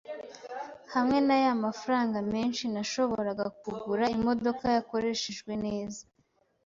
Hamwe naya mafranga menshi, nashoboraga kugura imodoka yakoreshejwe neza.